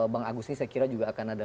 bang agus ini saya kira juga akan ada